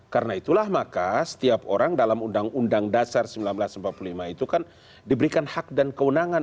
karena itulah maka setiap orang dalam undang undang dasar seribu sembilan ratus empat puluh lima itu kan diberikan hak dan keunangan